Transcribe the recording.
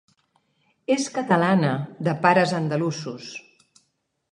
És catalana, de pares andalusos.